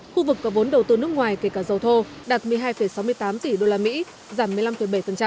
khu vực có vốn đầu tư nước ngoài kể cả dầu thô đạt một mươi hai sáu mươi tám tỷ usd giảm một mươi năm bảy